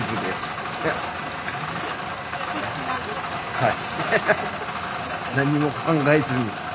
はい。